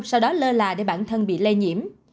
sau đó lơ là để bản thân bị lây nhiễm